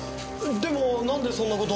でもなんでそんな事？